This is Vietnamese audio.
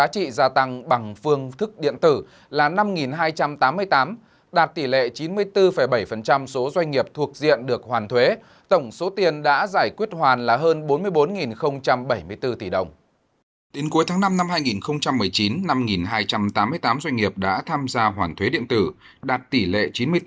tháng năm năm hai nghìn một mươi chín năm hai trăm tám mươi tám doanh nghiệp đã tham gia hoàn thuế điện tử đạt tỷ lệ chín mươi bốn bảy mươi ba